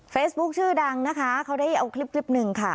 เฟซบุ๊กชื่อดังนะคะเค้าได้เอาคลิปหนึ่งค่ะ